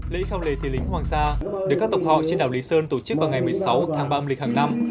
lễ khao lê thị lính hoàng sa được các tộc họ trên đảo lý sơn tổ chức vào ngày một mươi sáu tháng ba âm lịch hàng năm